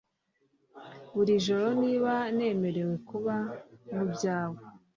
buri joro niba nemerewe kuba mu byawe